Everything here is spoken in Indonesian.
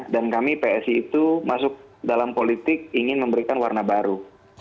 dan kami psi itu masuk dalam politik ingin memberikan warna baru